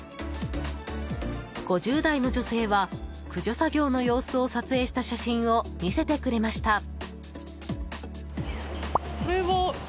５０代の女性は駆除作業の様子を撮影した写真を見せてくれました。